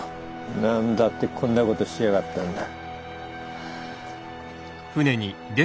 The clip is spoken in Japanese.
何だってこんな事しやがったんだ。